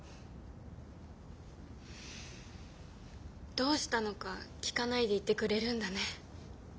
どうしたのか聞かないでいてくれるんだね。